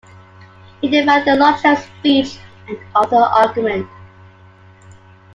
He defined the logic of speech and of the argument.